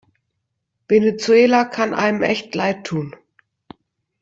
Venezuela kann einem echt leidtun.